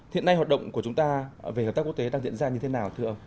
hiện nay hoạt động của chúng ta về hợp tác quốc tế đang diễn ra như thế nào thưa ông